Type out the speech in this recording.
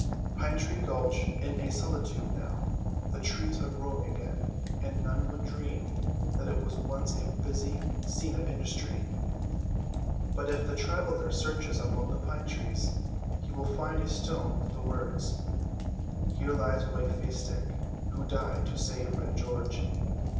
Pine tree Gulch is a solitude now, the trees are growing again, and none would dream that it was once a busy scene of industry; but if the traveller searches among the pine trees he will find a stone with the words: "Here lies White faced Dick, who died to save Red George.